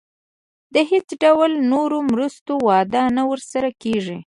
د هیڅ ډول نورو مرستو وعده نه ورسره کېږي.